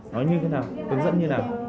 nói như thế nào hướng dẫn như thế nào